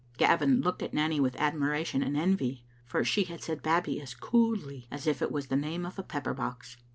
Gavin looked at Nanny with admiration and envy, for she had said Babbie as coolly as if it was the name of a pepper box.